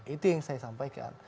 itu yang saya sampaikan